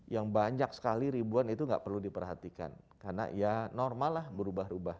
yang banyak sekali ribuan itu nggak perlu diperhatikan karena ya normal lah berubah ubah